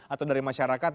atau dari masyarakat